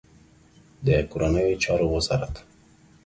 د کورنیو چارو وزارت